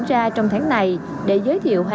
sẽ gần tám nhà